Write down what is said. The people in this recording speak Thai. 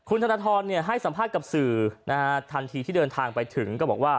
คุณธนทรให้สัมภาษณ์กับสื่อทันทีที่เดินทางไปถึงก็บอกว่า